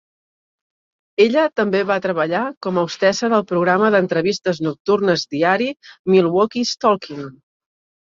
Ella també va treballar com a hostessa del programa d'entrevistes nocturnes diari "Milwaukee's Talking".